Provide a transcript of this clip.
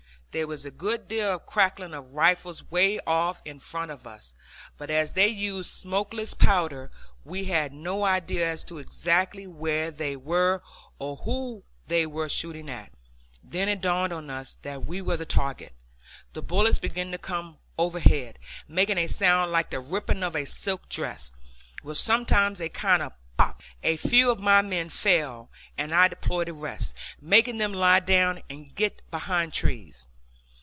There was a good deal of cracking of rifles way off in front of us, but as they used smokeless powder we had no idea as to exactly where they were, or who they were shooting at. Then it dawned on us that we were the target. The bullets began to come overhead, making a sound like the ripping of a silk dress, with sometimes a kind of pop; a few of my men fell, and I deployed the rest, making them lie down and get behind trees.